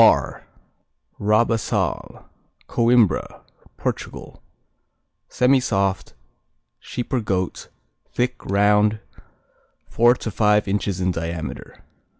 R Rabaçal Coimbra, Portugal Semisoft; sheep or goat; thick, round, four to five inches in diameter.